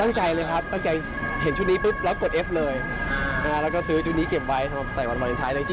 อันนี้ไม่มีสิไม่มี